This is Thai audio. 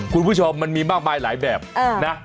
คุณผู้ชมมันมีมากมายหลายแบบนะ